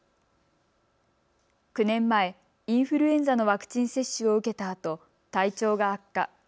９年前、インフルエンザのワクチン接種を受けたあと体調が悪化。